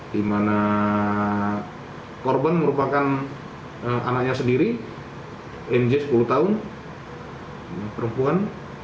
di mana korban merupakan anaknya sendiri mj sepuluh tahun perempuan